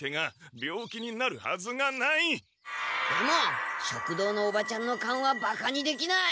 でも食堂のおばちゃんのカンはバカにできない。